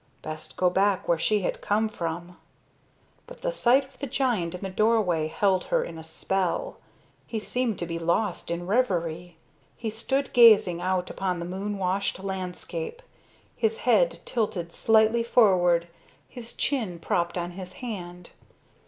Best go back where she had come from. But the sight of the giant in the doorway held her in a spell. He seemed to be lost in revery. He stood gazing out upon the moon washed landscape, his head tilted slightly forward, his chin propped on his hand.